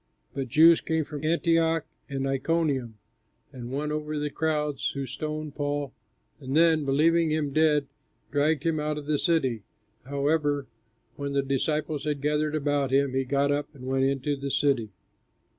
But Jews came from Antioch and Iconium and won over the crowds, who stoned Paul, and then, believing him dead, dragged him out of the city. However, when the disciples had gathered about him, he got up and went into the city.